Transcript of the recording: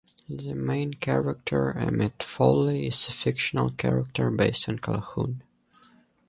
The main character, Emmitt Foley, is a fictional character based on Calhoun.